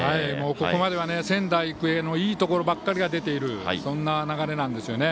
ここまでは仙台育英のいいところばっかりが出ているそんな流れなんですよね。